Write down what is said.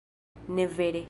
Ne vere...